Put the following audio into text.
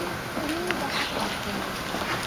উড়িয়েই দেখা যাক।